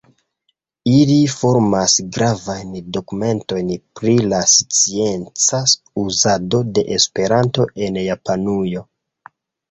Ili formas gravajn dokumentojn pri la scienca uzado de Esperanto en Japanujo.